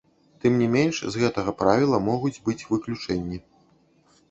Тым не менш, з гэтага правіла могуць быць выключэнні.